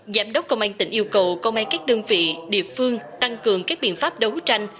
giám đốc công an tỉnh yêu cầu công an các đơn vị địa phương tăng cường các biện pháp đấu tranh